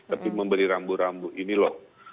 tapi memberi rambu rambu ini loh